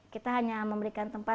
kita hanya memberikan tempat